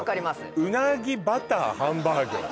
うなぎバターハンバーグ